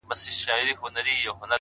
هوښیار انسان د احساساتو توازن ساتي!.